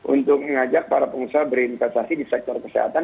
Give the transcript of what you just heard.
untuk mengajak para pengusaha berinvestasi di sektor kesehatan